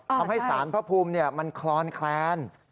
ทำให้สารพระภูมิมันคลอนแคลน